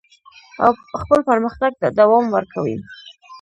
او خپل پرمختګ ته دوام ورکوي.